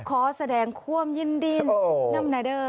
ขอแสดงคว่ำยิ่นดิ้นนำหนัดเดอร์